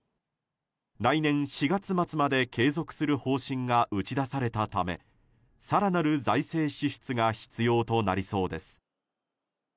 来年４月末まで継続する方針が打ち出されたため更なる財政支出が必要となりそうです。